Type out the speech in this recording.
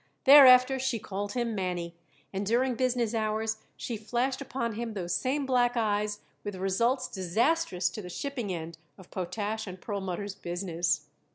Thereafter she called him Mannie, and during business hours she flashed upon him those same black eyes with results disastrous to the shipping end of Potash & Perlmutter's business.